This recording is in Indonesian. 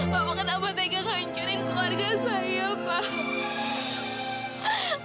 bapak kenapa tidak hancurin keluarga saya pak